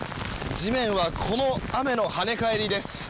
地面はこの雨の跳ね返りです。